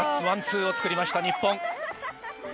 ワン、ツーを作りました日本。